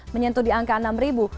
menyentuh di angka enam ribu